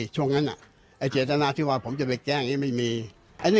ช่วงนั้นโศกธรรมปฏิเสธของผมจะไปแกล้งในนี่ไม่มี